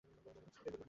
সব সময় এটাই বলে সে।